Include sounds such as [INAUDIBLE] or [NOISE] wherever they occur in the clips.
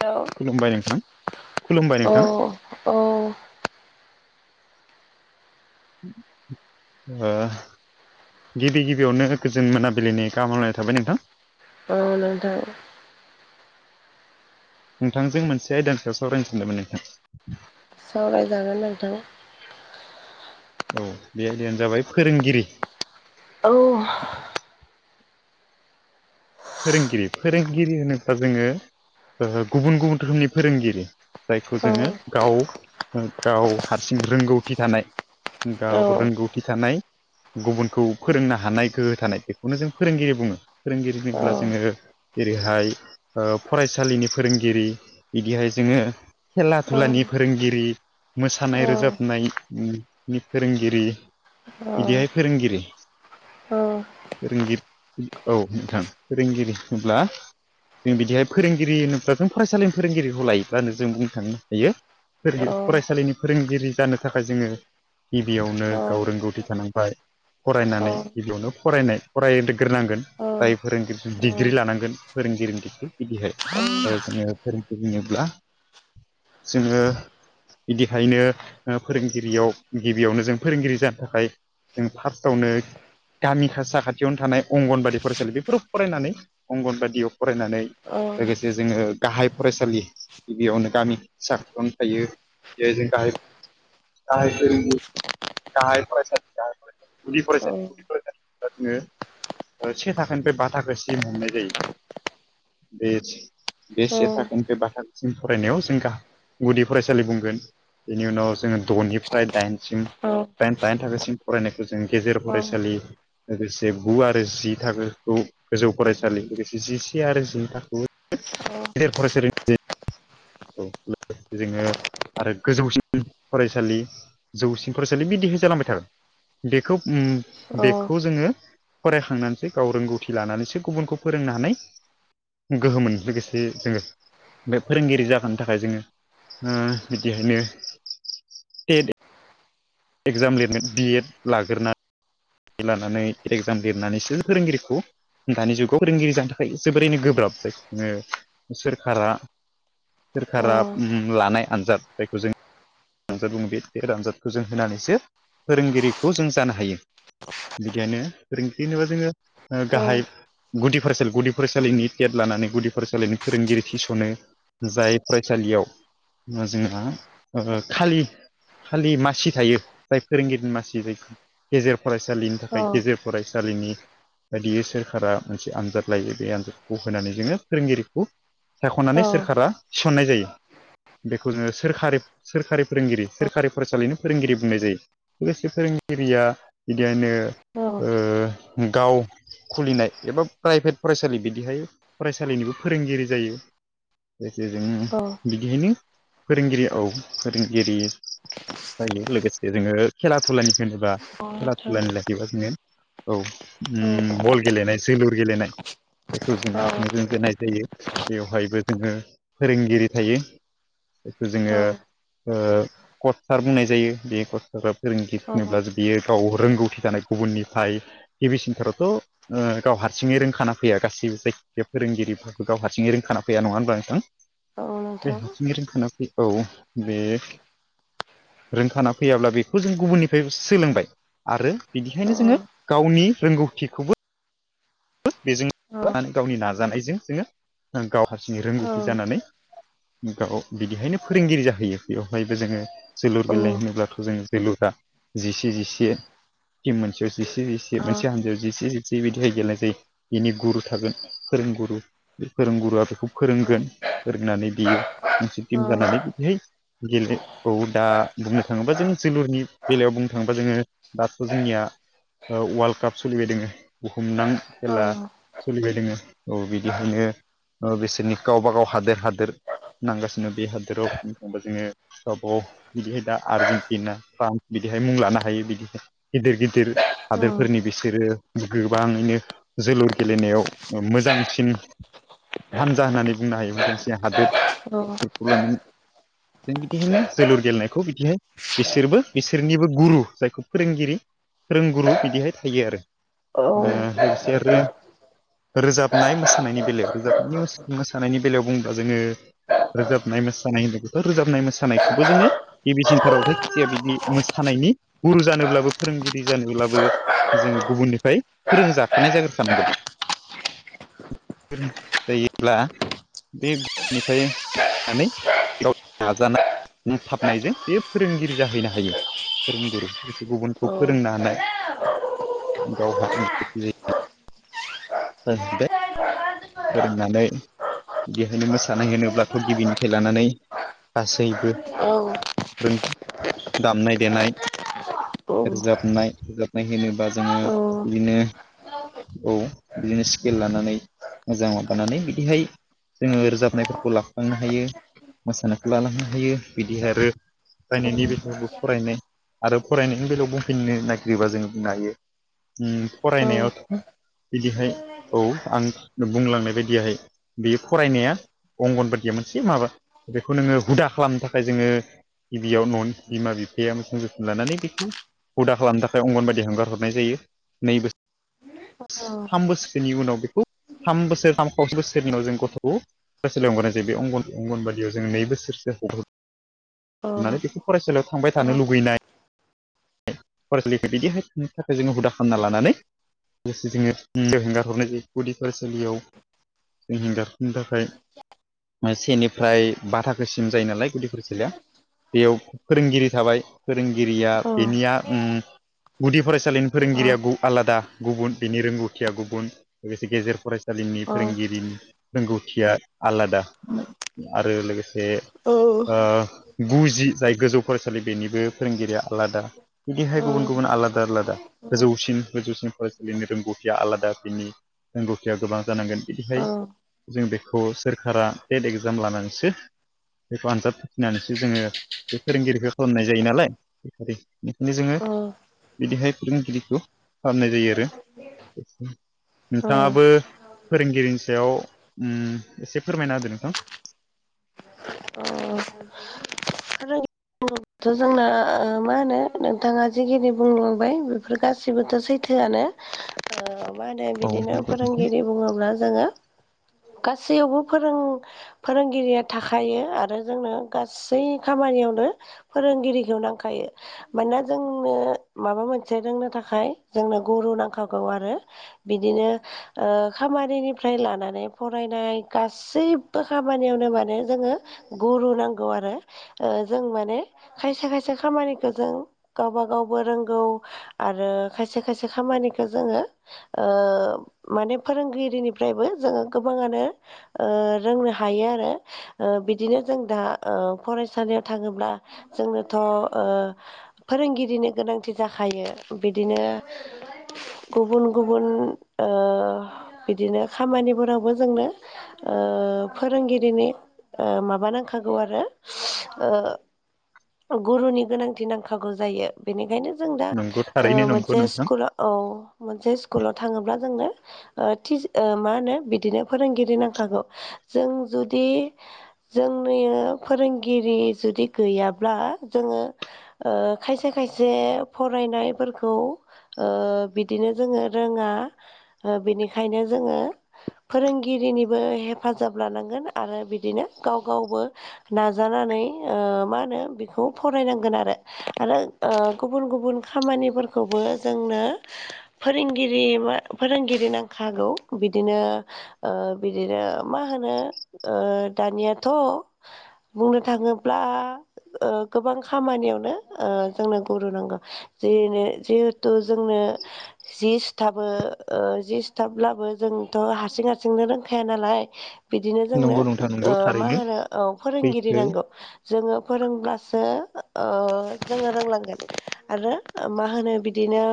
हेल' खुलुमबाय नोंथां खुलुमबाय औ नोंथां। औ ओ गिबि गिबियावनो गोजोन मोनाबिलिनि गाहाम हामलायनाय थाबाय नोंथां। औ नोंथां। नोंथांजों मोनसे आयदानि सायाव सावरायनो सानदोंमोन नोंथां? सावराय जागोन नोंथां। औ बे आयदायानो जाबाय फोरोंगिरि औ फोरोंगिरि फोरोंगिरि होनोब्ला जोङो ओ गुबुन गुबुन रोखोमनि फोरोंगिरि जायखौ औ जोङो गाव गाव हारसिं रोंगौथि थानाय औ गाव रोंगौथि थानाय गुबुनखौ फोरोंनो हानाय गोहो थानाय बेखौनो जों फोरोंगिरि बुङो फोरोंगिरि औ बुङोब्ला जोङो जेरैहाय ओ फरायसालिनि फोरोंगिरि बिदिहाय जोङो खेला दुलानि औ फोरोंगिरि औ औ मोसानाय नोंथां रोजाबनायनि फोरोंगिरि औ नोंथां बिदिहाय फोरोंगिरि औ फोरोंगिरि औ नोंथां। फोरोंगिरि होनोब्ला जों बिदिहाय फोरोंगिरि होनोब्ला जों फरायसालिनि फोरोंगिरिखौ लायोब्लानो जों बुंनो थांनो हायो। फोरगो फरायसालिनि फोरोंगिरि जानो थाखाय जोङो। गिबियावनो औ गाव रोंगौथि थानांबाय। फरायनानै गिबियावनो फरायनाय फरायग्रोनांगोन। जाय फोरोंगिरि डिग्रि लानांगोन फोरोंगिरिनि दिग्रि बिदिहाय ओ जोङो फोरोंगिरि होनोब्ला जोङो बिदिहखायनो ओ फोरोंगिरियाव गिबियावनो जों फोरोंगिरि जानो थाखाय जों फारसथावनो गामि खासाखाथियावनो थानाय अंगनबादि फरायसालि बे फोर फरायनानै अंगनबादियाव फरायनानै लोगोसे जोङो गाहाय फरायसालि गिबियावनो गामि फिसा फोरावनो थायो। दे जों गाहाय गाहाय फोरोंगिर गाहाय फरायसालि गाहाय फरायसालि गुदि फरायसालि जोङो ओ से थाख खान फाय बा थाखो सिम हमनाय जायो। बे बे से थाखोनिफ्राय बाथाखोसिम फरायनायाव जों गा गुदि फरायसालि बुंगोन। बेनि उनाव जोङो द'निफ्राय दाइन जों दायन दायन थाखोसिम फरायनायखौ जों गेजेर फरायसालि लोगोसे गु आरो जि थाखो खौ गोजौ फरायसालि लोगोसे जिसे आरो जि थाखोखौ गेदेर फरायसालि औ लोगोसे जोङो आरो गोजौसिन फरायसालि जौसिन फरायसालि बिदिहाय जालांबाय थागोन। बेखौ उम बेखौ जोङो फरायखांनानैसो गाव रोंगौथि लानानैसो गुबुनखौ फोरोंनो हानाय गोहोममोन लोगोसे जोङो बे फोरोंगिरि जा थानो थाखाय जोङो ओ बिदिहायनो टेट एग्जाम लिरनो। बि एड लाग्रोना एद लानानै एगजाम लिरनानैसो फोरोंगिरिखौ दानि जुगाव फोरोंगिरि जानो थाखाय जोबोरैनो गोब्राब जाय ङो सोरखारा सोरखारा उम लानाय आनजाद जायखौ जों आजाद बुङो बे बे आनजादखौ जों होनानैसो फोरोंगिरिखौ जों जानो हायो। बिदिखायनो फोरों जेनेबा जोङो आ गाहाय गुदि फरायसालि गुदि फरायसालिनि टेट लानानै गुदि फरायसालिनि फोरोंगिरि थिसनो। जाय फरायसालियाव ओ जोंहा ओ खालि खालि मासि थायो। जाय फोरोंगिरिनि मासि जाय गेजेर फरायसालिन थाखाय गेजेर फरायसालिनि बायदियै सोरखारा मोनसे आनजाद लायो। बे आनजादखौ होनानै जोङो फोरोंगिरिखौ सायख'नानै सोरखारा थिसननाय जायो। बेखौनो सोरखारि सोरखारि फोरोंगिरि सोरखारि फरायसालिनो फोरोंगिरि बुंनाय जायो। लोगोसे फोरोंगिरिया बिदिखायनो ओ गाव खुलिनाय एबा प्राइभेट फरायसालि बिदिहाय फरायसालिनिबो फोरोंगिरि जायो। जायखि जों बिदिहायनो फोरोंगिरि औ फोरोंगिरि जायो। लोगोसे जोङो खेला दुलानि जेनेबा खेला दुलानिलाय एबा जोङो औ उम बल गेलेनाय जोलुर गेलेनाय बेखौ जोङो आथिं जों जोननाय जायो। बेवहायबो जोङो फोरोंगिरि थायो। बेखौ जोङो ओ करथार बुंनाय जायो। बेखौ करथार फोरोंगिरि होनोब्ला जों बियो गाव रोंगौथि थानाय गुबुननिफाय टि भि सेन्टारावथ' ओ गाव हारसिङै रोंखाना फैया गासैबोफाय बे फोरोंगिरिफो गाव हारसिङै रोंखाना फैया नङा होनबा नोंथां। ओ बे हारासिङै रोंखाना फै औ बे रोंखाना फैयाब्ला बेखौ जों गुबुननिफायबो सोलोंबाय। आरो बिदिखायनो जोङो गावनि रोंगौथिखौबो बो बेजों बो आ गावनि नाजानायजों जोङो ओं गाव हारसिङै रोंगौथि जानानै गाव बिदिहायनो फोरोंगिरि जाहैयो। बेवहायबो जोङो जोलुर गेलेनाय होनोब्लाथ' जों जोलुरा जिसे जिसे टिम मोनसेयाव जिसे जिसे औ मोनसे हान्जायाव जिसे जि जिबिथाय [UNINTELLIGIBLE] यदिहाय गेलनाय जायो बिनि गुरु थागोन फोरोंगुरु बे फोरोंगुरुआ बेखौ औ फोरोंगोन फोरोंनानै बियो मोनसे खिथानानै है। गेले औ दा बुंनो थाङोबा जों जोलुरनि बेलायाव बुंनो थाङोबा जोङो। दाथ जोंनिया अवाल्ड काप सोलिबाय दङ बुहुमनां। खेला सोलिबाय दंयो औ बिनिखायनो ओ बिसोरनि गावबा गाव हादोर हादोर नांगासिनो बे हादोराव बुंङोबा जोङो। सब बिदिहाय दा आर्जेनटिना फ्रान्स बिदिहाय मुं लानो हायो बिदिहाय। गिदिर गिदिर हादोरफोरनि बिसोरो गोबाङैनो। जोलुर गेलेनायाव ओ-मोजांसिन हानजा होननानै बुंनो हायो मोजांसे हादोर बेफोरखौ लानानै। जों बिदिहायनो जोलुर गेलेनायखौ बिदिहाय। बिसोरबो बिसोरनिबो गुरु जायखौ फोरोंगिरि फोरोंगुरु बिदिहाय थायो आरो। ओ-लोगोसे आरो रोजाबनाय मोसानायनि बेलायाव रोजाब मोसानायनि बेलायाव बुंङोबा जोङो। रोजाबनाय मोसानाय होनदों बेफोर रोजाबनाय मोसानायखौबो जोङो। गिबिसिन्थाराव हाय जे बिदि मोसानायनि गुरु जानोब्लाबो फोरोंगिरि जानोब्लाबो। जोङो गुबुननिफ्राय फोरोंजाखानाय जाग्रो खानांगोन। जायोब्ला बे गुबुननिफ्राय [UNINTELLIGIBLE] बे फोरोंगिरि जाहैनो हायो फोरोंगुरु गुबुनखौ फोरोंनो हानाय [UNINTELLIGIBLE] [UNINTELLIGIBLE] फोरोंनानै बेहायनो मोसानाय होनोब्लाथ गिबिनिफ्राय लानानै गासैबो। औ रों दामनाय देनाय। रोजाबनाय रोजाबनाय होनोबा जोङो बिदिनो। औ बिदिनो सिकेल लानानै। मोजां माबानानै बिदिहाय जोङो रोजाबनायफोरखौ लाफालांनो हायो। मोसानायखौ लालांनो हायो बिदि आरो। फरायनायनि बेलायावबो फरायनाय आरो फरायनायनि बेलायाव बुंफैनो नागिरोबा जोंङ बुंनो हायो। उम फरायनायावथ बिदिहाय औ आं बुंलांनाय बायदियाहाय बियो फरायनाया अंगन बादिया मोनसे माबा। बेखौ नोङो हुदा खालामनो थाखाय जोङो। गिबियाव न बिमा बिफाया मोथोम जोथोन लानानै बेखौ। हुदा खालामनो थाखाय अंगनबादि हगार हरनाय जायो नै बोस थाम बोसोरनि उनाव बेखौ थाम बोसोर थाम पाव बोसोरनि उाव जों गथखौ। फरायसालियाव अंगारनाय जायो बेंन अंगनबादियाव जों नै बोसो हर होननानै बेखौ फरायसालियाव थांबाय थानो लुगैनाय। फरायसालिखौ बिदिहाय थिनो थाखाय जोङो हुदा खालामना लानानै। लोगोसे जोङो हेंगार हरनाय जायो गुदि फरायसालियाव जों हिगारफोरनो थाखाय। सेनिफ्राय बा थाखोसिम जायो नालाय गुदि फरायसालिया। बेयाव फोरोंगिरि थाबाय। फोरोंगिरिया बेनिया ओं गुदि फरायसालिनि फोरोंगिरिया आलादा। गुबुन बिनि रोंगौथिया गुबुन लोगोसे गेजेर फरायसालिनि फोरोंगिरिनि। रोंगौथिया आलादा आरो लोगोसे। ओ-गु जि जाय गोजौ फरायसालि बेनिबो फोरोंगिरिया आलादा। बिदिहाय गुबुन गुबुन आलादा आलादा गोजौसिन गोजौसिन। फरायसालिनि रोंगौथिया आलादा बिनि रोंगौथिया गोबां जानांगोन बिदिहाय। जों बेखौ सोरखारा टेट एगजाम लानानैसो। बेखौ आनजाद फाथिनानैसो जोङो बे फोरोंगिरिखौ खालामनाय जायो नालाय। [UNINTELLIGIBLE] खायनो जोङो बिदिहाय फोरोंगिरिखौ खालामनाय जायो। [UNINTELLIGIBLE] नोंथाङाबो फोरोंगिरिनि सायाव उम एसे फोरमायना होदों नोंथां। [UNINTELLIGIBLE] आरो थ' जोंना मा होनो नोंथाङा जिखिनि बुंलांबाय बेफोर गासिबोथ' सैथ थोआनो मा होनो औ बिदिनो नंगौ नोंथां फोरोंगिरि बुङोब्ला जोङो गासैयावबो फोरों फोरोंगिरिया थाखायो आरो जोंनो गासै खामानियावनो फोरोंगिरिखौ नांखायो। मानोना जोंनो माबा मोनसे रोंनो थाखाय जोंनो गुरु नांखागौ आरो बिदिनो खामानिनिफ्राय लानानै फरायनाय गास सैबो खामानियावनो माने जोङो गुरु नांगौ आरो जों माने खायसे खायसे खामानिखौ जों गावबा गावबो रोंगौ आरो खायसे खायसे खामानिखौ जोङो ओ माने फोरोंगिरिनिफ्रायबो जोङो गोबाङानो ओ रोंनो हायो आरो। बिदिनो जों दा फरायसालियाव थाङोब्ला जोंनोथ' फोरोंगिरिनि गोनांथि जाखायो बिदिनो गुबुन गुबुन बिदिनो खामानिफोरावबो जोंनो ओ फोरोंगिरिनि माबा नांखागौ आरो गुरुनि गोनांथि नांखागौ जायो बेनिखायनो जों दा नंगौ थारैनो नंगौ मोनसे नोंथां स्कुलाव औ मोनसे स्कुलाव थाङोब्ला जोंनो मा होनो बिदिनो फोरोंगिरि नांखागौ जों जुदि जोंनि फोरोंगिरि जुदि गैयाब्ला जोङो ओ खायसे खायसे फरायनायफोरखौ ओ बिदिनो जोङो रोङा बिनिखायनो जोङो फोरोंगिरिनिबो हेफाजाब लानांगोन आरो बिदिनो गाव गावबो नाजानानै मा होनो बेखौ फरायनांगोन आरो आरो गुबुन गुबुन खामानिफोरखौबो जोंनो फोरोंगिरि मा फोरोंगिरि नांखागौ बिदिनो बिदिनो मा होनो दानियाथ' बुंनो थाङोब्ला गोबां खामानियावनो जोंनो गुरु नांगौ। [UNINTELLIGIBLE] जिहेथु जोंनो जि सुथाबो जि सथाब्लाबो जोंथ' हारसिं हारसिंनो रोंखाया नालाय बिदिनो जोंनो नंगौ नोंथां नंगौ मा थारैनो होनो औ फोरोंगिरि सैथो नांगौ जोङो फोरोंब्लासो जोङो रोंलांगोन आरो मा होनो बिदिनो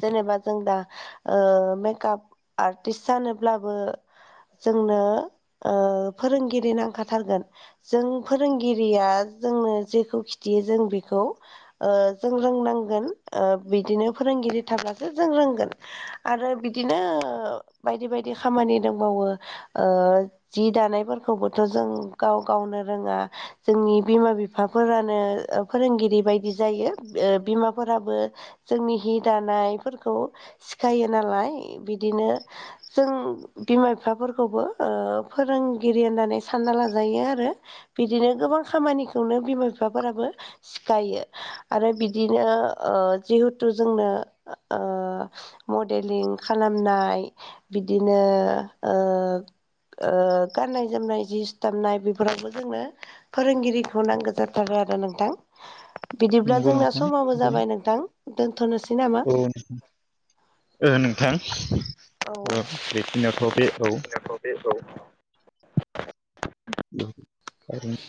जेनेबा जों दा मेकप आर्टिस्ट जानोब्लाबो जोंनो फोरोंगिरि नांखाथारगोन जों फोरोंगिरिया जोंनो जेखौ खिथियो जों बेखौ जों रोंनांगोन बिदिनो फोरोंगिरि थाब्लासो जों रोंगोन। आरो बिदिनो बायदि बायदि खामानि दंबावो। जि दानायफोरखौबोथ' जों गाव गावनो रोङा‌। जोंनि बिमा बिफाफोरानो फोरोंगिरि बायदि जायो बिमाफोराबो जोंनि हि दानायफोरखौ सिखायो नालाय बिदिनो जों बिमा बिफाफोरखौबो फोरोंगिरि होननानै सानना लाजायो आरो। बिदिनो गोबां खामानिखौनो बिमा बिफाफोराबो सिखायो। आरो बिदिनो जिहेथु जोंनो मडेलिं खालामनाय बिदिनो ओ ओ गाननाय जोमनाय जि सिथाबनाय बे फोरावबो जोंनो फोरोंगिरिखौ नांगौ जाथारो आरो नोंथां। बिदिब्ला नंगौ जोंना नोंथां समाबो औ जाबाय नोंथां दोनथ'नोसै नामा? [UNINTELLIGIBLE] ओ नोंथां ओ बेखिनियावथ' बे औ बे औ [UNINTELLIGIBLE]